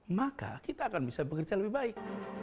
maka kita akan bisa bekerja lebih baik